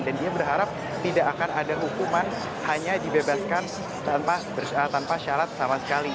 dan dia berharap tidak akan ada hukuman hanya dibebaskan tanpa syarat sama sekali